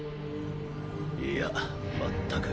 いや全く。